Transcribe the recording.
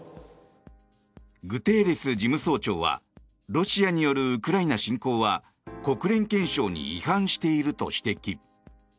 グテーレス事務総長はロシアによるウクライナ侵攻は国連憲章に違反していると指摘。